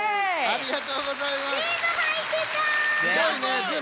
ありがとうございます。